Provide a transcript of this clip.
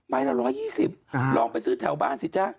ละ๑๒๐ลองไปซื้อแถวบ้านสิจ๊ะ